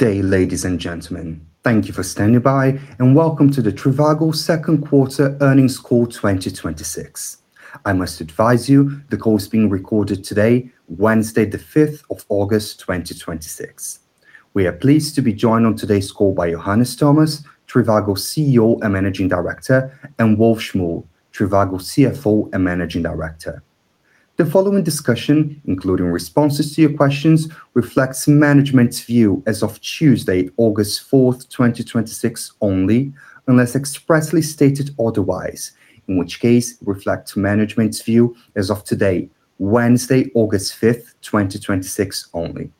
Good day, ladies and gentlemen. Thank you for standing by, and welcome to the trivago Second Quarter Earnings Call 2026. I must advise you the call is being recorded today, Wednesday, August 5th, 2026. We are pleased to be joined on today's call by Johannes Thomas, trivago CEO and Managing Director, and Wolf Schmuhl, trivago CFO and Managing Director. The following discussion, including responses to your questions, reflects management's view as of Tuesday, August 4th, 2026, only, unless expressly stated otherwise, in which case reflect management's view as of today, Wednesday, August 5th, 2026, only.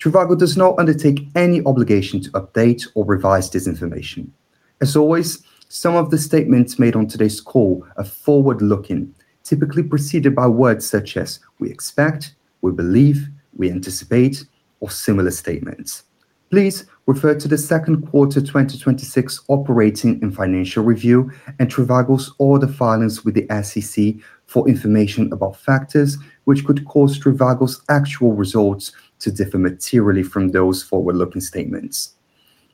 Trivago does not undertake any obligation to update or revise this information. As always, some of the statements made on today's call are forward-looking, typically preceded by words such as we expect, we believe, we anticipate, or similar statements. Please refer to the second quarter 2026 operating and financial review and trivago's SEC filings with the SEC for information about factors which could cause trivago's actual results to differ materially from those forward-looking statements.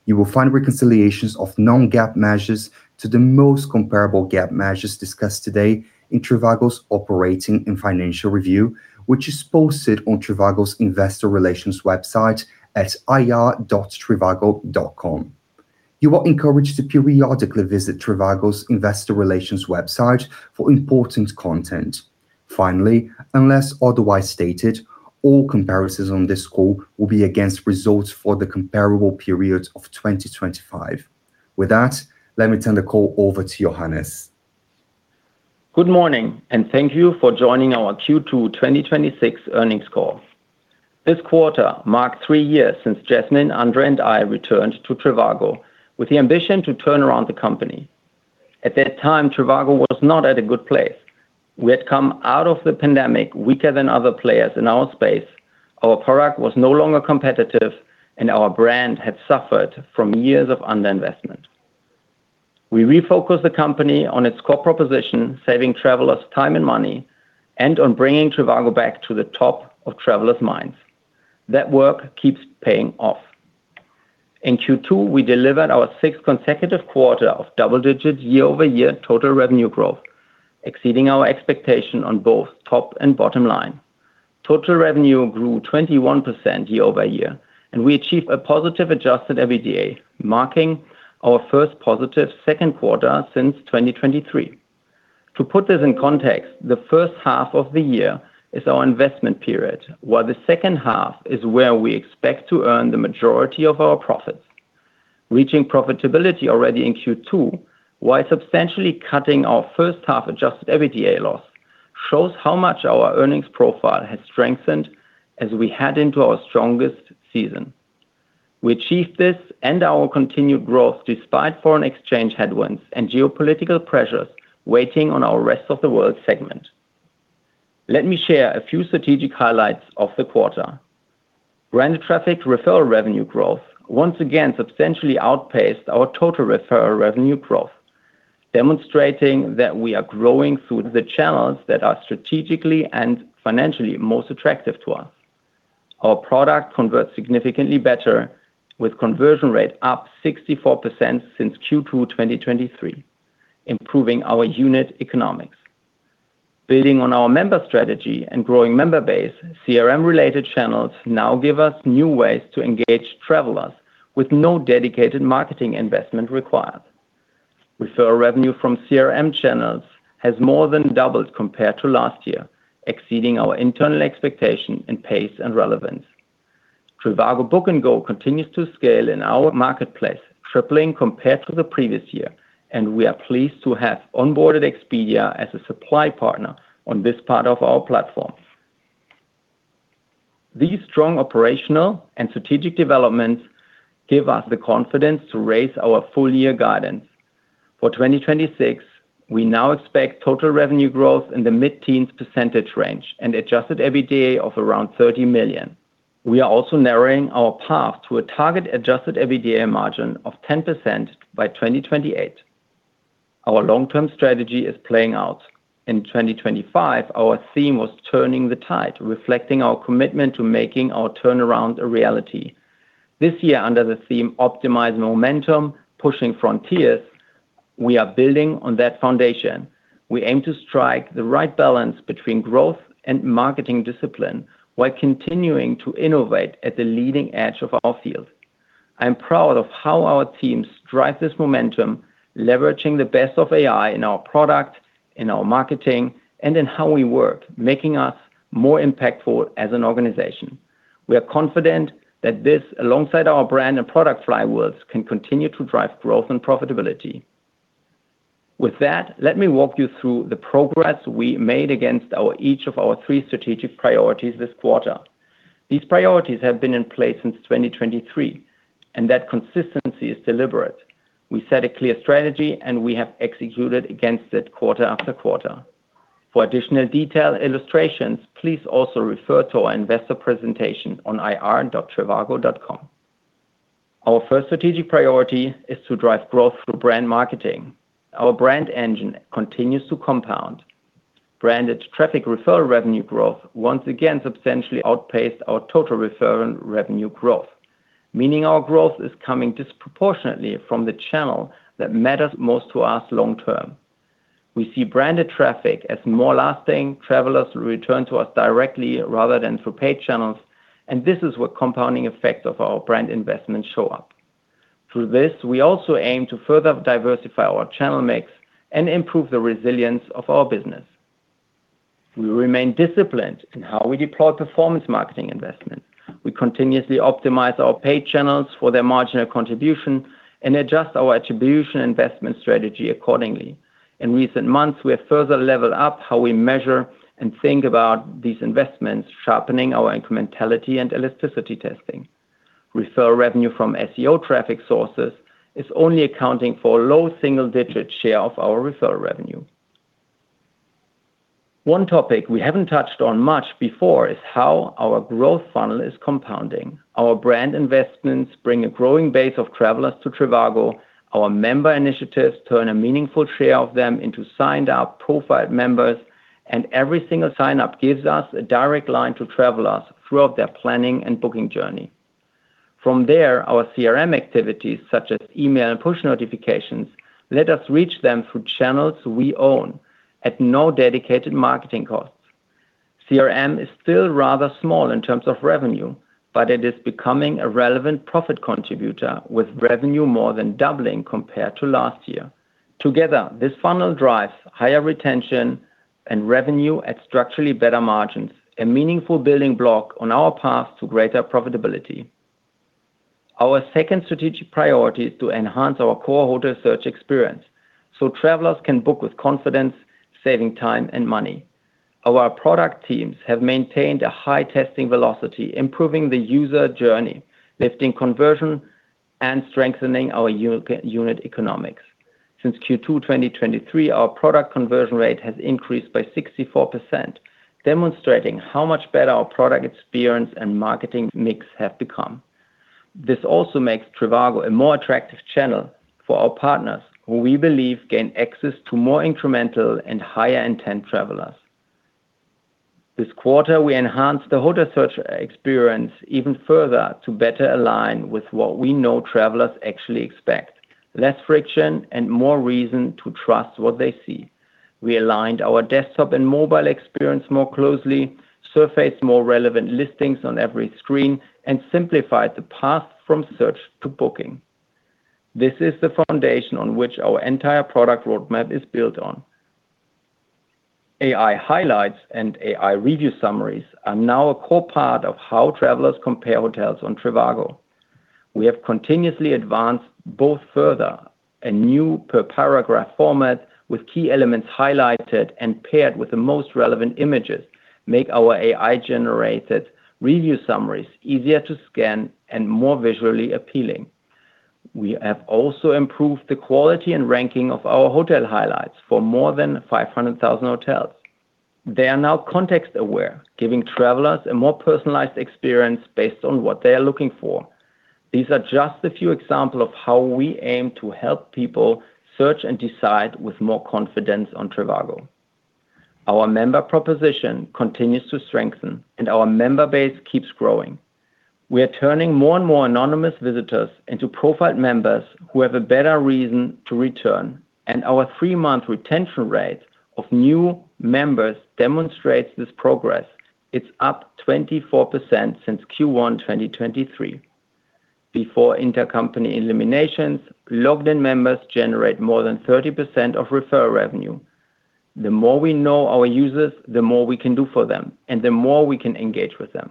You will find reconciliations of non-GAAP measures to the most comparable GAAP measures discussed today in trivago's operating and financial review, which is posted on trivago's investor relations website at ir.trivago.com. You are encouraged to periodically visit trivago's investor relations website for important content. Finally, unless otherwise stated, all comparisons on this call will be against results for the comparable period of 2025. With that, let me turn the call over to Johannes. Good morning. Thank you for joining our Q2 2026 earnings call. This quarter marked three years since Jasmine, Andrej, and I returned to trivago with the ambition to turn around the company. At that time, trivago was not at a good place. We had come out of the pandemic weaker than other players in our space. Our product was no longer competitive, and our brand had suffered from years of underinvestment. We refocused the company on its core proposition, saving travelers time and money, and on bringing trivago back to the top of travelers' minds. That work keeps paying off. In Q2, we delivered our sixth consecutive quarter of double-digit year-over-year total revenue growth, exceeding our expectation on both top and bottom line. Total revenue grew 21% year-over-year, and we achieved a positive adjusted EBITDA, marking our first positive second quarter since 2023. To put this in context, the first half of the year is our investment period, while the second half is where we expect to earn the majority of our profits. Reaching profitability already in Q2, while substantially cutting our first half adjusted EBITDA loss shows how much our earnings profile has strengthened as we head into our strongest season. We achieved this and our continued growth despite foreign exchange headwinds and geopolitical pressures weighing on our rest of the world segment. Let me share a few strategic highlights of the quarter. Brand traffic referral revenue growth once again substantially outpaced our total referral revenue growth, demonstrating that we are growing through the channels that are strategically and financially most attractive to us. Our product converts significantly better with conversion rate up 64% since Q2 2023, improving our unit economics. Building on our member strategy and growing member base, CRM-related channels now give us new ways to engage travelers with no dedicated marketing investment required. Referral revenue from CRM channels has more than doubled compared to last year, exceeding our internal expectation in pace and relevance. trivago Book & Go continues to scale in our marketplace, tripling compared to the previous year, and we are pleased to have onboarded Expedia as a supply partner on this part of our platform. These strong operational and strategic developments give us the confidence to raise our full year guidance. For 2026, we now expect total revenue growth in the mid-teens percentage range and adjusted EBITDA of around 30 million. We are also narrowing our path to a target adjusted EBITDA margin of 10% by 2028. Our long-term strategy is playing out. In 2025, our theme was turning the tide, reflecting our commitment to making our turnaround a reality. This year under the theme "Optimized Momentum, Pushing Frontiers", we are building on that foundation. We aim to strike the right balance between growth and marketing discipline while continuing to innovate at the leading edge of our field. I'm proud of how our teams drive this momentum, leveraging the best of AI in our product, in our marketing, and in how we work, making us more impactful as an organization. We are confident that this, alongside our brand and product flywheels, can continue to drive growth and profitability. With that, let me walk you through the progress we made against each of our three strategic priorities this quarter. These priorities have been in place since 2023, and that consistency is deliberate. We set a clear strategy, and we have executed against it quarter after quarter. For additional detail illustrations, please also refer to our investor presentation on ir.trivago.com. Our first strategic priority is to drive growth through brand marketing. Our brand engine continues to compound branded traffic referral revenue growth once again substantially outpaced our total referral revenue growth, meaning our growth is coming disproportionately from the channel that matters most to us long-term. We see branded traffic as more lasting. Travelers return to us directly rather than through paid channels, and this is where compounding effects of our brand investments show up. Through this, we also aim to further diversify our channel mix and improve the resilience of our business. We remain disciplined in how we deploy performance marketing investment. We continuously optimize our paid channels for their marginal contribution and adjust our attribution investment strategy accordingly. In recent months, we have further leveled up how we measure and think about these investments, sharpening our incrementality and elasticity testing. Referral revenue from SEO traffic sources is only accounting for a low single-digit share of our referral revenue. One topic we haven't touched on much before is how our growth funnel is compounding. Our brand investments bring a growing base of travelers to trivago. Our member initiatives turn a meaningful share of them into signed-up profiled members, and every single sign-up gives us a direct line to travelers throughout their planning and booking journey. From there, our CRM activities, such as email and push notifications, let us reach them through channels we own at no dedicated marketing costs. CRM is still rather small in terms of revenue, but it is becoming a relevant profit contributor, with revenue more than doubling compared to last year. Together, this funnel drives higher retention and revenue at structurally better margins, a meaningful building block on our path to greater profitability. Our second strategic priority is to enhance our core hotel search experience so travelers can book with confidence, saving time and money. Our product teams have maintained a high testing velocity, improving the user journey, lifting conversion, and strengthening our unit economics. Since Q2 2023, our product conversion rate has increased by 64%, demonstrating how much better our product experience and marketing mix have become. This also makes trivago a more attractive channel for our partners, who we believe gain access to more incremental and higher-intent travelers. This quarter, we enhanced the hotel search experience even further to better align with what we know travelers actually expect. Less friction and more reason to trust what they see. We aligned our desktop and mobile experience more closely, surfaced more relevant listings on every screen, and simplified the path from search to booking. This is the foundation on which our entire product roadmap is built on. AI Highlights and AI Review Summaries are now a core part of how travelers compare hotels on trivago. We have continuously advanced both further. A new per-paragraph format with key elements highlighted and paired with the most relevant images make our AI-generated Review Summaries easier to scan and more visually appealing. We have also improved the quality and ranking of our Hotel Highlights for more than 500,000 hotels. They are now context-aware, giving travelers a more personalized experience based on what they are looking for. These are just a few examples of how we aim to help people search and decide with more confidence on trivago. Our member proposition continues to strengthen, and our member base keeps growing. We are turning more and more anonymous visitors into profiled members who have a better reason to return, and our three-month retention rate of new members demonstrates this progress. It's up 24% since Q1 2023. Before intercompany eliminations, logged-in members generate more than 30% of referral revenue. The more we know our users, the more we can do for them and the more we can engage with them.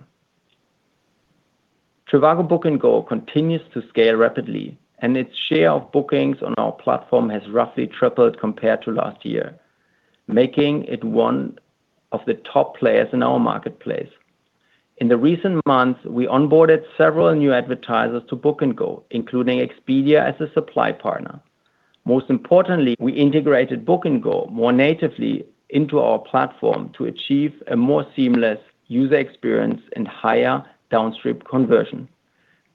trivago Book & Go continues to scale rapidly, and its share of bookings on our platform has roughly tripled compared to last year, making it one of the top players in our marketplace. In the recent months, we onboarded several new advertisers to Book & Go, including Expedia as a supply partner. Most importantly, we integrated Book & Go more natively into our platform to achieve a more seamless user experience and higher downstream conversion.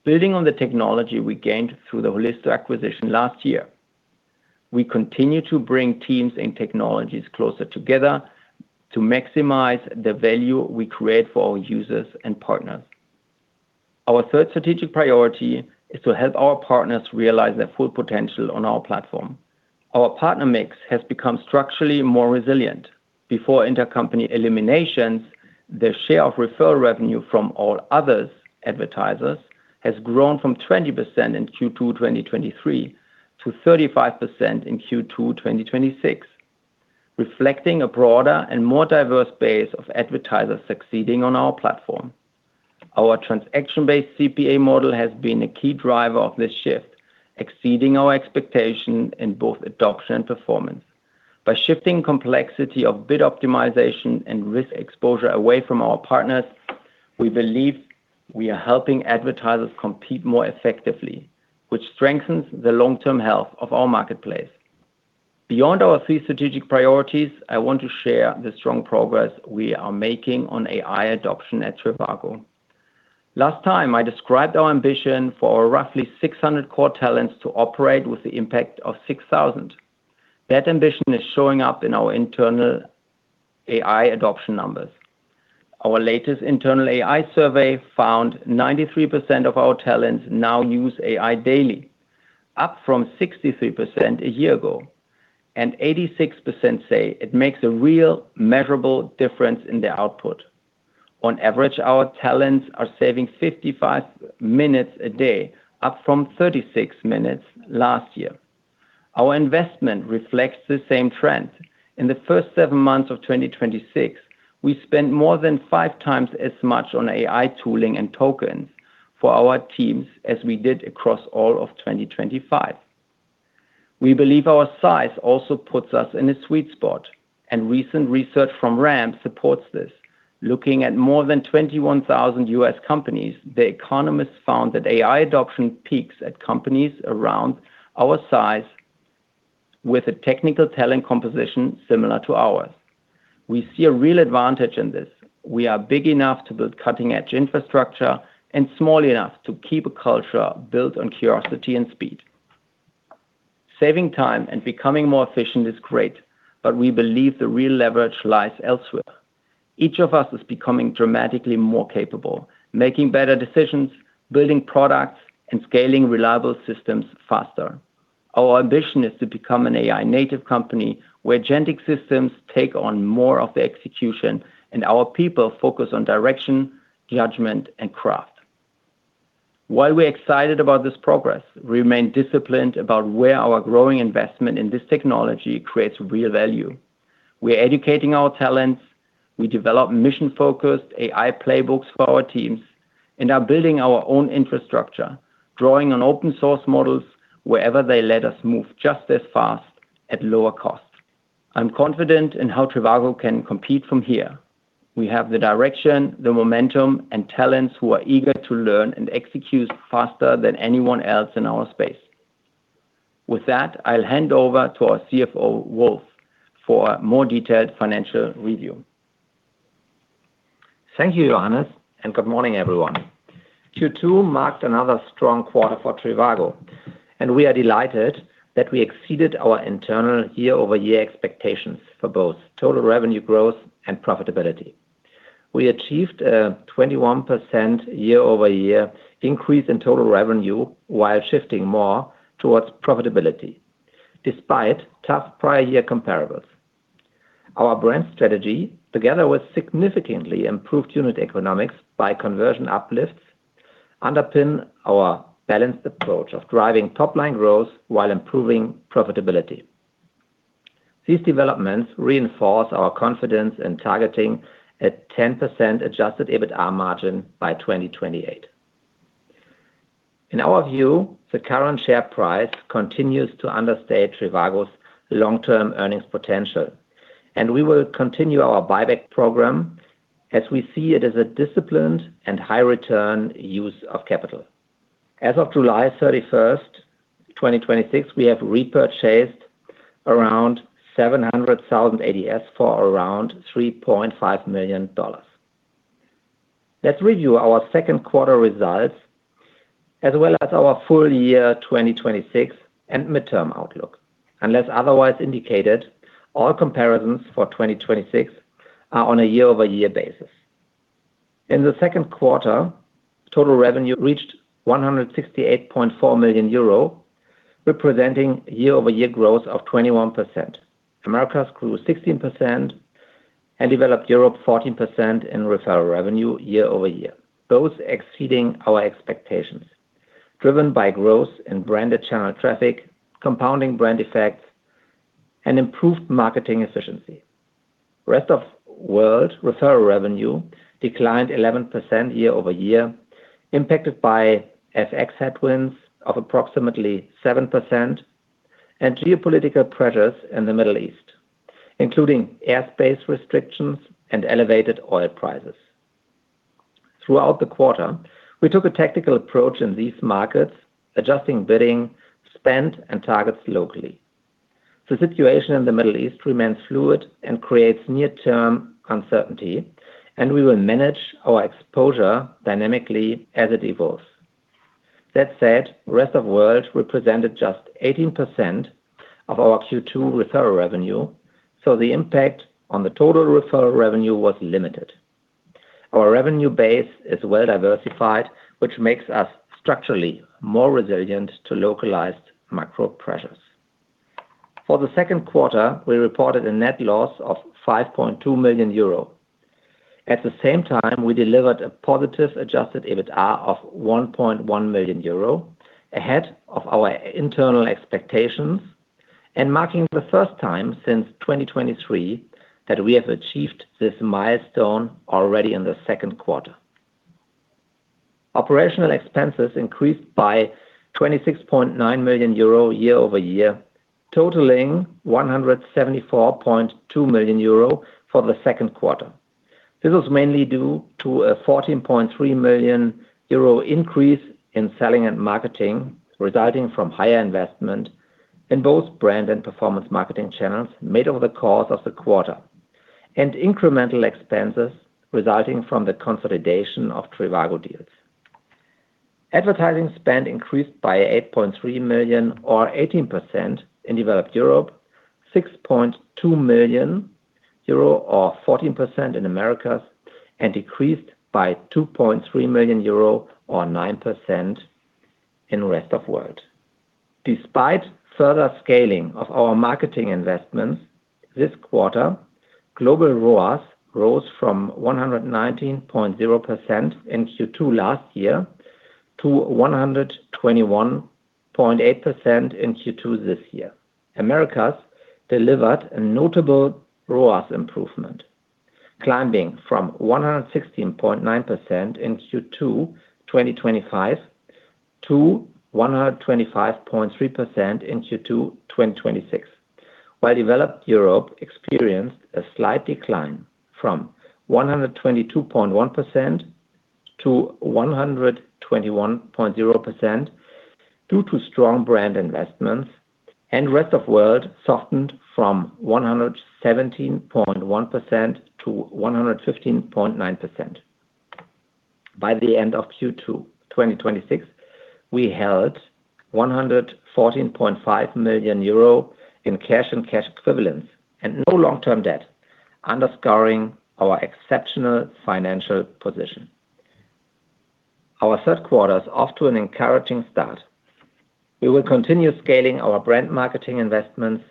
Building on the technology we gained through the Holisto acquisition last year, we continue to bring teams and technologies closer together to maximize the value we create for our users and partners. Our third strategic priority is to help our partners realize their full potential on our platform. Our partner mix has become structurally more resilient. Before intercompany eliminations, the share of referral revenue from all others advertisers has grown from 20% in Q2 2023 to 35% in Q2 2026, reflecting a broader and more diverse base of advertisers succeeding on our platform. Our transaction-based CPA model has been a key driver of this shift, exceeding our expectation in both adoption and performance. By shifting complexity of bid optimization and risk exposure away from our partners, we believe we are helping advertisers compete more effectively, which strengthens the long-term health of our marketplace. Beyond our three strategic priorities, I want to share the strong progress we are making on AI adoption at trivago. Last time, I described our ambition for our roughly 600 core talents to operate with the impact of 6,000. That ambition is showing up in our internal AI adoption numbers. Our latest internal AI survey found 93% of our talents now use AI daily, up from 63% a year ago, and 86% say it makes a real, measurable difference in their output. On average, our talents are saving 55 minutes a day, up from 36 minutes last year. Our investment reflects the same trend. In the first seven months of 2026, we spent more than five times as much on AI tooling and tokens for our teams as we did across all of 2025. We believe our size also puts us in a sweet spot, and recent research from RAM supports this. Looking at more than 21,000 U.S. companies, the economists found that AI adoption peaks at companies around our size with a technical talent composition similar to ours. We see a real advantage in this. We are big enough to build cutting-edge infrastructure and small enough to keep a culture built on curiosity and speed. Saving time and becoming more efficient is great, but we believe the real leverage lies elsewhere. Each of us is becoming dramatically more capable, making better decisions, building products, and scaling reliable systems faster. Our ambition is to become an AI native company where agentic systems take on more of the execution and our people focus on direction, judgment, and craft. While we're excited about this progress, we remain disciplined about where our growing investment in this technology creates real value. We're educating our talents, we develop mission-focused AI playbooks for our teams, and are building our own infrastructure, drawing on open source models wherever they let us move just as fast at lower cost. I'm confident in how trivago can compete from here. We have the direction, the momentum, and talents who are eager to learn and execute faster than anyone else in our space. With that, I'll hand over to our CFO, Wolf, for a more detailed financial review. Thank you, Johannes, and good morning, everyone. Q2 marked another strong quarter for trivago, and we are delighted that we exceeded our internal year-over-year expectations for both total revenue growth and profitability. We achieved a 21% year-over-year increase in total revenue while shifting more towards profitability, despite tough prior year comparables. Our brand strategy, together with significantly improved unit economics by conversion uplifts, underpin our balanced approach of driving top-line growth while improving profitability. These developments reinforce our confidence in targeting a 10% adjusted EBITDA margin by 2028. In our view, the current share price continues to understate trivago's long-term earnings potential, and we will continue our buyback program as we see it as a disciplined and high-return use of capital. As of July 31st, 2026, we have repurchased around 700,000 ADS for around $3.5 million. Let's review our second quarter results, as well as our full year 2026 and midterm outlook. Unless otherwise indicated, all comparisons for 2026 are on a year-over-year basis. In the second quarter, total revenue reached 168.4 million euro, representing year-over-year growth of 21%. Americas grew 16% and developed Europe 14% in referral revenue year-over-year, both exceeding our expectations, driven by growth in branded channel traffic, compounding brand effects, and improved marketing efficiency. Rest of world referral revenue declined 11% year-over-year, impacted by FX headwinds of approximately 7% and geopolitical pressures in the Middle East, including airspace restrictions and elevated oil prices. Throughout the quarter, we took a tactical approach in these markets, adjusting bidding, spend, and targets locally. The situation in the Middle East remains fluid and creates near-term uncertainty, and we will manage our exposure dynamically as it evolves. That said, rest of world represented just 18% of our Q2 referral revenue, the impact on the total referral revenue was limited. Our revenue base is well-diversified, which makes us structurally more resilient to localized macro pressures. For the second quarter, we reported a net loss of 5.2 million euro. At the same time, we delivered a positive adjusted EBITDA of 1.1 million euro, ahead of our internal expectations and marking the first time since 2023 that we have achieved this milestone already in the second quarter. Operational expenses increased by 26.9 million euro year-over-year, totaling 174.2 million euro for the second quarter. This was mainly due to a 14.3 million euro increase in selling and marketing, resulting from higher investment in both brand and performance marketing channels made over the course of the quarter. Incremental expenses resulting from the consolidation of trivago DEALS. Advertising spends increased by 8.3 million or 18% in developed Europe, 6.2 million euro or 14% in Americas, and decreased by 2.3 million euro or 9% in rest of world. Despite further scaling of our marketing investments this quarter, global ROAS rose from 119.0% in Q2 last year to 121.8% in Q2 this year. Americas delivered a notable ROAS improvement, climbing from 116.9% in Q2 2025 to 125.3% in Q2 2026. While developed Europe experienced a slight decline from 122.1% to 121.0% due to strong brand investments, and rest of world softened from 117.1% to 115.9%. By the end of Q2 2026, we held 114.5 million euro in cash and cash equivalents and no long-term debt, underscoring our exceptional financial position. Our third quarter is off to an encouraging start. We will continue scaling our brand marketing investments,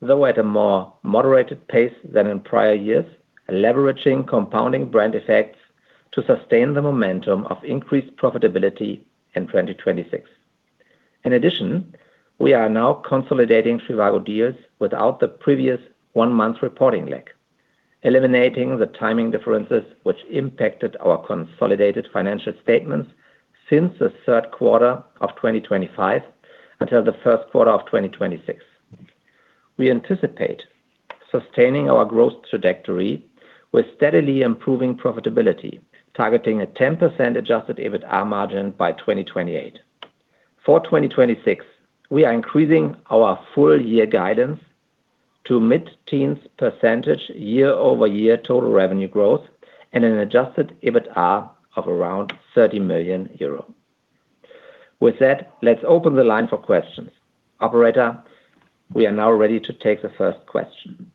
though at a more moderated pace than in prior years, leveraging compounding brand effects to sustain the momentum of increased profitability in 2026. In addition, we are now consolidating trivago DEALS without the previous one-month reporting lag, eliminating the timing differences which impacted our consolidated financial statements since the third quarter of 2025 until the first quarter of 2026. We anticipate sustaining our growth trajectory with steadily improving profitability, targeting a 10% adjusted EBITDA margin by 2028. For 2026, we are increasing our full year guidance to mid-teens percentage year-over-year total revenue growth and an adjusted EBITDA of around 30 million euro. With that, let's open the line for questions. Operator, we are now ready to take the first question.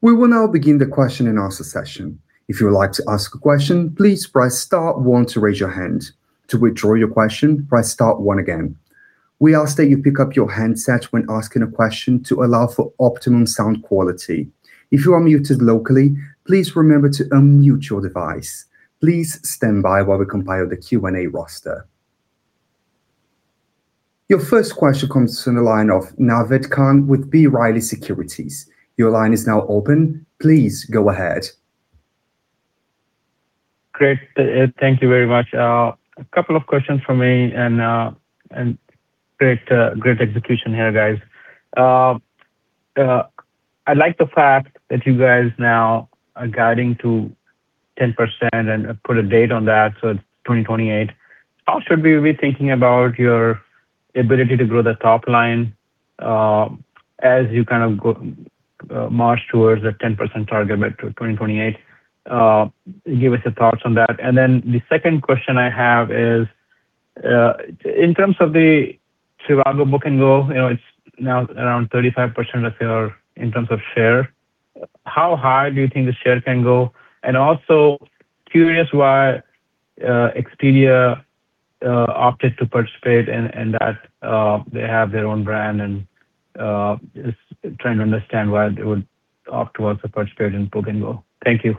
We will now begin the question and answer session. If you would like to ask a question, please press star one to raise your hand. To withdraw your question, press star one again. We ask that you pick up your handset when asking a question to allow for optimum sound quality. If you are muted locally, please remember to unmute your device. Please stand by while we compile the Q&A roster. Your first question comes from the line of Naved Khan with B. Riley Securities. Your line is now open. Please go ahead. Great. Thank you very much. A couple of questions from me. Great execution here, guys. I like the fact that you guys now are guiding to 10% and put a date on that, it's 2028. How should we be thinking about your ability to grow the top line as you march towards that 10% target by 2028? Give us your thoughts on that. The second question I have is, in terms of the trivago Book & Go, it's now around 35% in terms of share. How high do you think the share can go? Also curious why Expedia opted to participate in that. They have their own brand and just trying to understand why they would opt towards to participate in Book & Go. Thank you.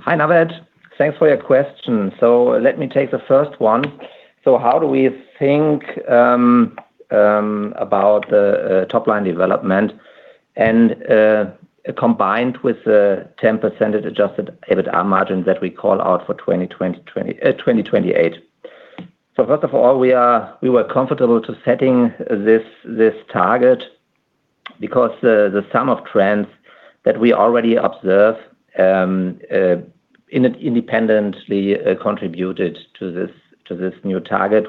Hi, Naved. Thanks for your question. Let me take the first one. How do we think about the top-line development and combined with the 10% adjusted EBITDA margin that we call out for 2028? First of all, we were comfortable to setting this target because the sum of trends that we already observe independently contributed to this new target.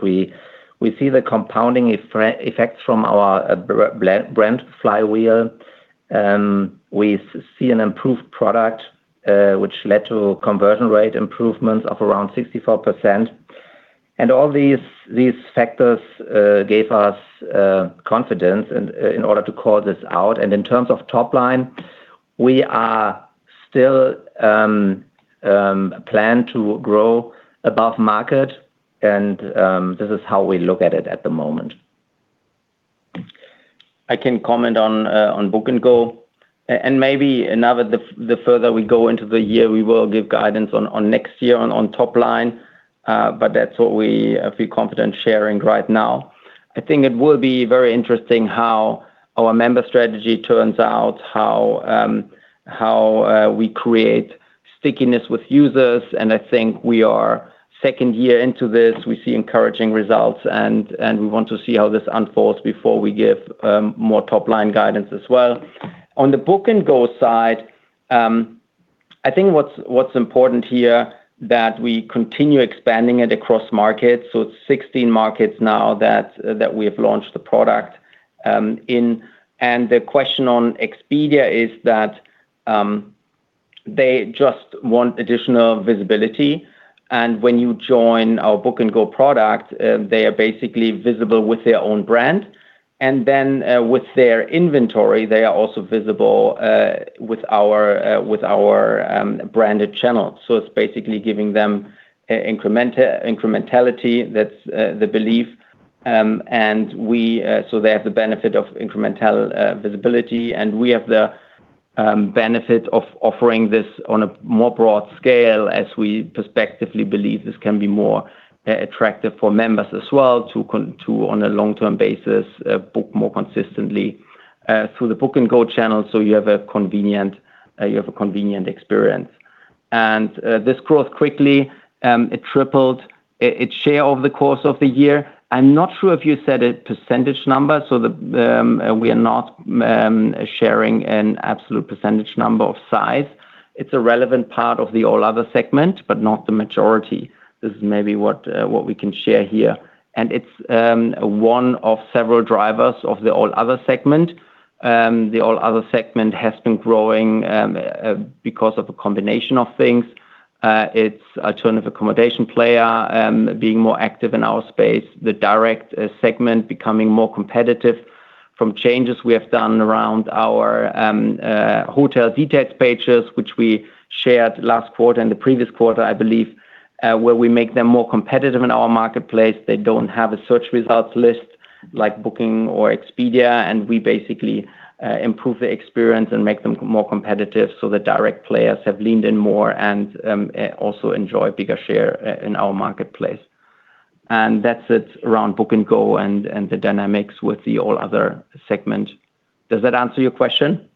We see the compounding effects from our brand flywheel. We see an improved product, which led to conversion rate improvements of around 64%. All these factors gave us confidence in order to call this out. In terms of top line, we are still plan to grow above market, and this is how we look at it at the moment. I can comment on Book & Go. Maybe, Naved, the further we go into the year, we will give guidance on next year on top line, but that's what we feel confident sharing right now. I think it will be very interesting how our member strategy turns out, how we create stickiness with users. I think we are second year into this. We see encouraging results, and we want to see how this unfolds before we give more top-line guidance as well. On the Book & Go side I think what's important here that we continue expanding it across markets. It's 16 markets now that we have launched the product in. The question on Expedia is that they just want additional visibility and when you join our Book & Go product, they are basically visible with their own brand and then with their inventory, they are also visible with our branded channel. It's basically giving them incrementality. That's the belief. They have the benefit of incremental visibility, and we have the benefit of offering this on a more broad scale as we prospectively believe this can be more attractive for members as well to, on a long-term basis, book more consistently through the Book & Go channel so you have a convenient experience. This growth quickly, it tripled its share over the course of the year. I'm not sure if you said a percentage number, we are not sharing an absolute percentage number of size. It's a relevant part of the all other segment, but not the majority. This is maybe what we can share here, and it's one of several drivers of the all other segment. The all other segment has been growing because of a combination of things. It's a ton of accommodation player being more active in our space, the direct segment becoming more competitive from changes we have done around our hotel details pages, which we shared last quarter and the previous quarter, I believe where we make them more competitive in our marketplace. They don't have a search results list like Booking or Expedia, and we basically improve the experience and make them more competitive so the direct players have leaned in more and also enjoy bigger share in our marketplace. That's it around Book & Go and the dynamics with the all other segment. Does that answer your question?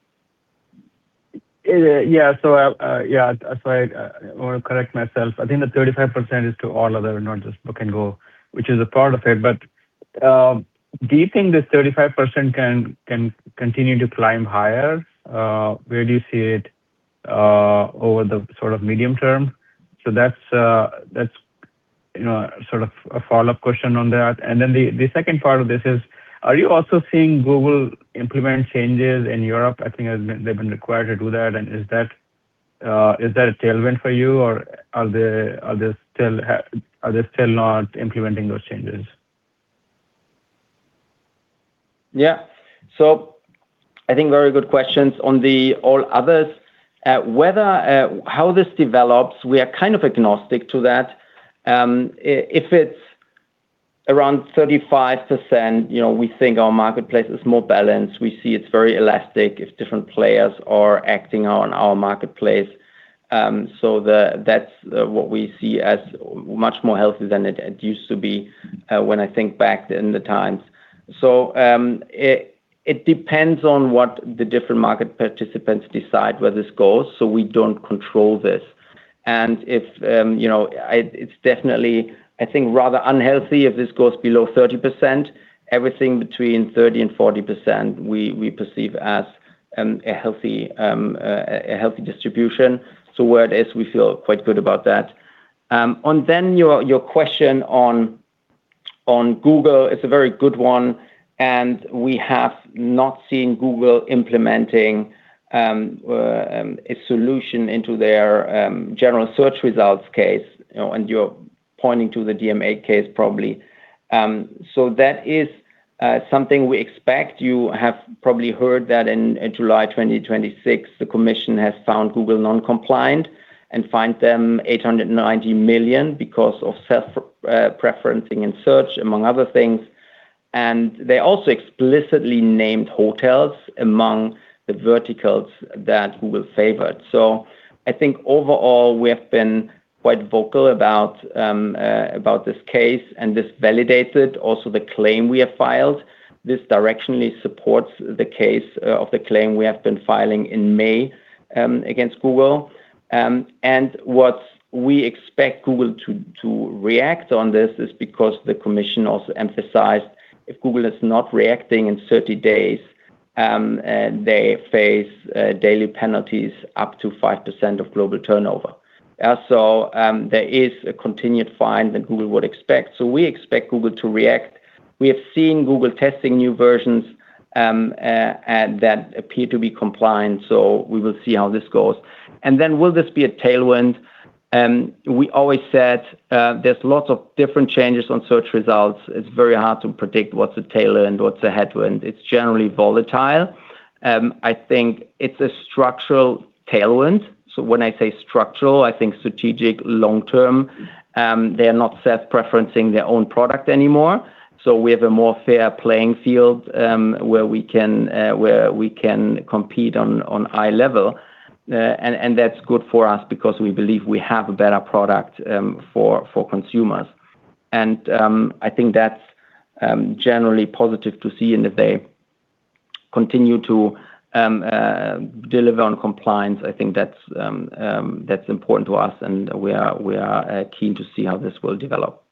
Yeah. I want to correct myself. I think the 35% is to all other, not just Book & Go, which is a part of it, do you think this 35% can continue to climb higher? Where do you see it over the medium term? That's a follow-up question on that and then the second part of this is, are you also seeing Google implement changes in Europe? I think they've been required to do that is that a tailwind for you or are they still not implementing those changes? Yeah. I think very good questions on the all others. How this develops, we are kind of agnostic to that. If it's around 35%, we think our marketplace is more balanced. We see it's very elastic if different players are acting on our marketplace. That's what we see as much more healthy than it used to be when I think back in the times. It depends on what the different market participants decide where this goes. We don't control this and it's definitely, I think, rather unhealthy if this goes below 30%. Everything between 30% and 40% we perceive as a healthy distribution. Where it is, we feel quite good about that. Your question on Google, it's a very good one. We have not seen Google implementing a solution into their general search results case. You're pointing to the DMA case probably. That is something we expect. You have probably heard that in July 2026, the commission has found Google non-compliant and fined them 890 million because of self-preferencing in search, among other things. They also explicitly named hotels among the verticals that Google favored. I think overall, we have been quite vocal about this case, and this validates it. Also, the claim we have filed, this directionally supports the case of the claim we have been filing in May against Google. What we expect Google to react on this is because the commission also emphasized if Google is not reacting in 30 days, they face daily penalties up to 5% of global turnover. There is a continued fine that Google would expect. We expect Google to react. We have seen Google testing new versions that appear to be compliant, so we will see how this goes. Will this be a tailwind? We always said there's lots of different changes on search results. It's very hard to predict what's a tailwind, what's a headwind. It's generally volatile. I think it's a structural tailwind. When I say structural, I think strategic long-term. They are not self-preferencing their own product anymore. We have a more fair playing field, where we can compete on eye level. That's good for us because we believe we have a better product for consumers, and I think that's generally positive to see, and if they continue to deliver on compliance, I think that's important to us, and we are keen to see how this will develop.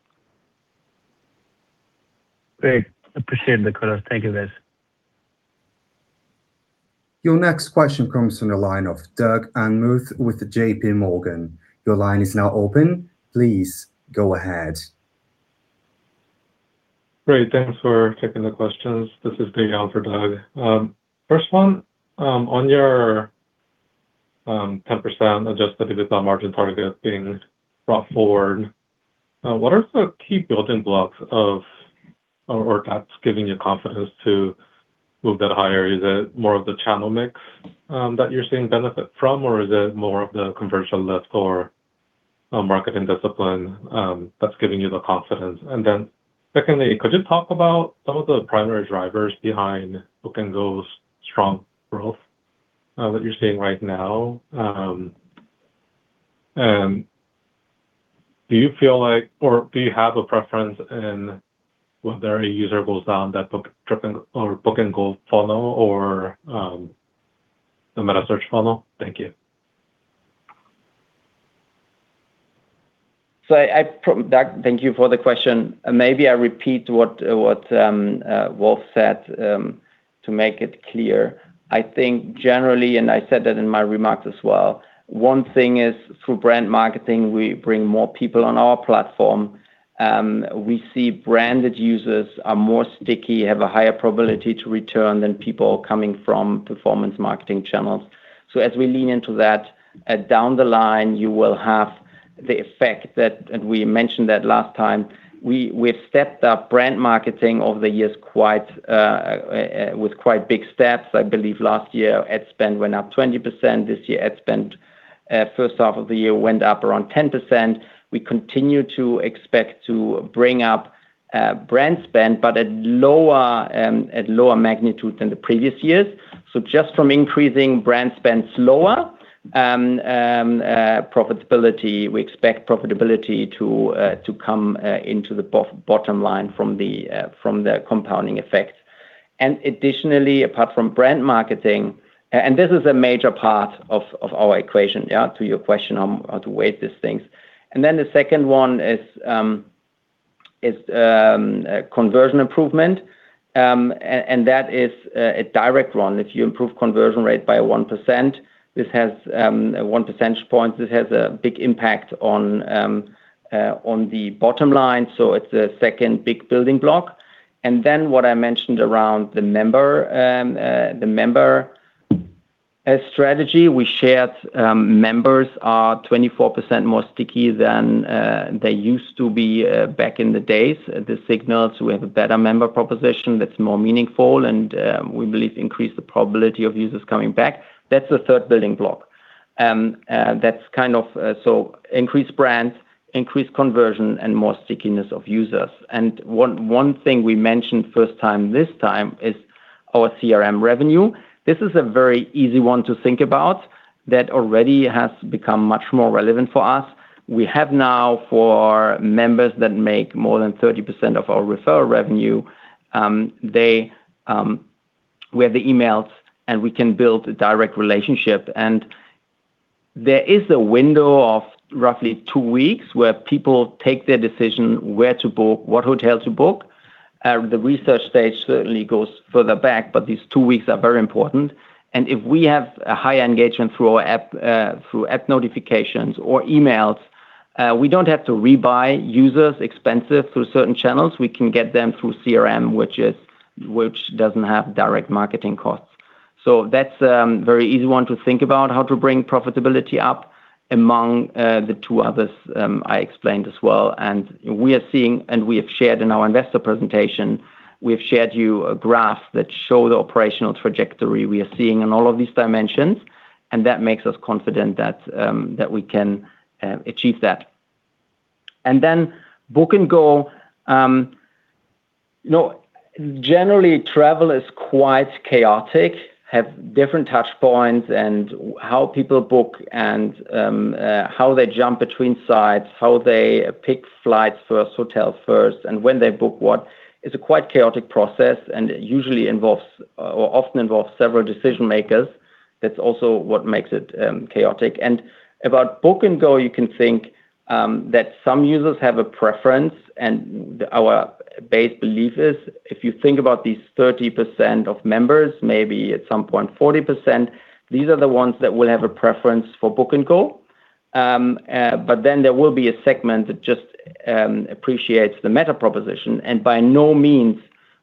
Great. Appreciate that, Thomas. Thank you, guys. Your next question comes from the line of Doug Anmuth with JPMorgan. Your line is now open. Please go ahead. Great. Thanks for taking the questions. This is Doug Anmuth. First one, on your 10% adjusted EBITDA margin target that is being brought forward, what are the key building blocks that is giving you confidence to move that higher? Is it more of the channel mix that you are seeing benefit from, or is it more of the conversion lift or marketing discipline that is giving you the confidence? Secondly, could you talk about some of the primary drivers behind Book & Go's strong growth that you are seeing right now? Do you feel like, or do you have a preference in whether a user goes down that Book & Go funnel or the metasearch funnel? Thank you. Doug, thank you for the question. Maybe I repeat what Wolf said to make it clear. I think generally, I said that in my remarks as well, one thing is through brand marketing, we bring more people on our platform. We see branded users are more sticky, have a higher probability to return than people coming from performance marketing channels. As we lean into that, down the line, you will have the effect that we mentioned that last time. We have stepped up brand marketing over the years with quite big steps. I believe last year ad spend went up 20%. This year ad spend first half of the year went up around 10%. We continue to expect to bring up brand spend, but at lower magnitude than the previous years Just from increasing brand spend slower, profitability, we expect profitability to come into the bottom line from the compounding effect. Additionally, apart from brand marketing, this is a major part of our equation, yeah, to your question on how to weight these things. The second one is conversion improvement, and that is a direct one. If you improve conversion rate by 1%, this has a one percentage point. This has a big impact on the bottom line. It is the second big building block. What I mentioned around the member strategy, we shared members are 24% more sticky than they used to be back in the days. This signals we have a better member proposition that is more meaningful, and we believe increase the probability of users coming back. That is the third big building block. Increase brand, increase conversion, and more stickiness of users. One thing we mentioned first time this time is our CRM revenue. This is a very easy one to think about that already has become much more relevant for us. We have now for members that make more than 30% of our referral revenue, we have the emails, and we can build a direct relationship. There is a window of roughly two weeks where people take their decision where to book, what hotel to book. The research stage certainly goes further back, but these two weeks are very important. If we have a higher engagement through app notifications or emails, we do not have to rebuy users expensive through certain channels. We can get them through CRM, which does not have direct marketing costs. That is a very easy one to think about how to bring profitability up among the two others I explained as well. We have shared in our investor presentation, we have shared you a graph that show the operational trajectory we are seeing in all of these dimensions, and that makes us confident that we can achieve that. Book & Go. Generally, travel is quite chaotic, have different touchpoints and how people book and how they jump between sites, how they pick flights first, hotel first, and when they book what is a quite chaotic process, and it usually involves or often involves several decision-makers. That's also what makes it chaotic. About Book & Go, you can think that some users have a preference, and our base belief is if you think about these 30% of members, maybe at some point 40%, these are the ones that will have a preference for Book & Go. There will be a segment that just appreciates the meta proposition. By no means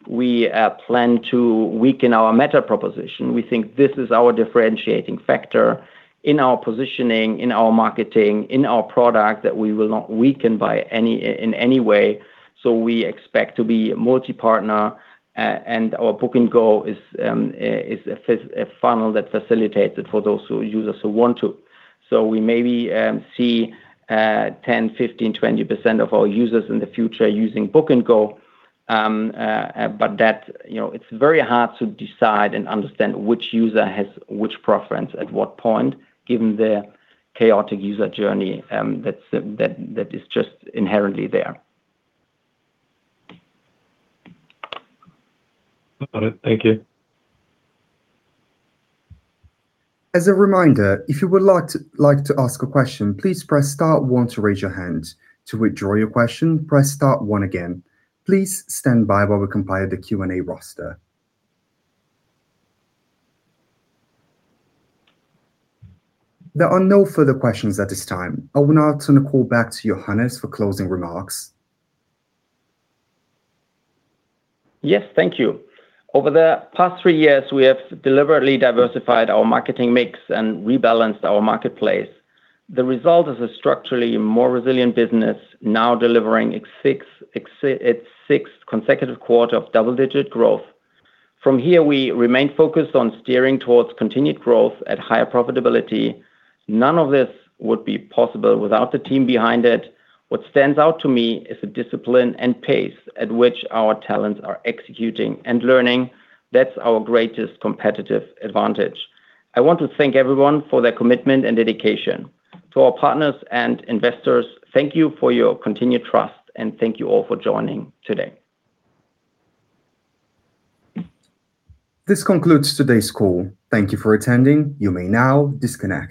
we plan to weaken our meta proposition. We think this is our differentiating factor in our positioning, in our marketing, in our product, that we will not weaken by in any way. We expect to be multi-partner. Our Book & Go is a funnel that facilitates it for those users who want to. We maybe see 10%, 15%, 20% of our users in the future using Book & Go, but that it's very hard to decide and understand which user has which preference at what point given the chaotic user journey that is just inherently there. Got it. Thank you. As a reminder, if you would like to ask a question, please press star one to raise your hand. To withdraw your question, press star one again. Please stand by while we compile the Q&A roster. There are no further questions at this time. I will now turn the call back to Johannes for closing remarks. Yes. Thank you. Over the past three years, we have deliberately diversified our marketing mix and rebalanced our marketplace. The result is a structurally more resilient business, now delivering its sixth consecutive quarter of double-digit growth. From here, we remain focused on steering towards continued growth at higher profitability. None of this would be possible without the team behind it. What stands out to me is the discipline and pace at which our talents are executing and learning. That's our greatest competitive advantage. I want to thank everyone for their commitment and dedication. To our partners and investors, thank you for your continued trust, and thank you all for joining today. This concludes today's call. Thank you for attending. You may now disconnect.